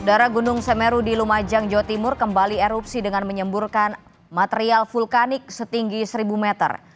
darah gunung semeru di lumajang jawa timur kembali erupsi dengan menyemburkan material vulkanik setinggi seribu meter